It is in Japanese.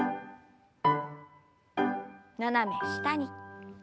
斜め下に。